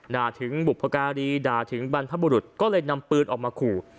ด่าถึงบุพการีด่าถึงบรรพบุรุษก็เลยนำปืนออกมาขู่